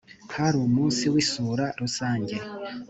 hari umunsi w’isura rusange